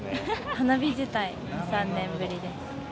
花火自体、３年ぶりです。